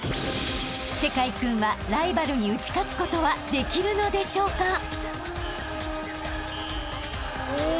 ［聖魁君はライバルに打ち勝つことはできるのでしょうか？］